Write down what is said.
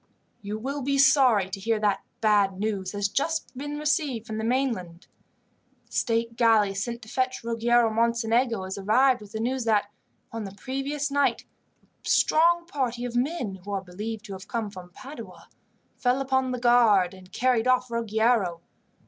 "You will be sorry to hear that bad news has just been received from the mainland. The state galley sent to fetch Ruggiero Mocenigo has arrived with the news that, on the previous night, a strong party of men who are believed to have come from Padua, fell upon the guard and carried off Ruggiero.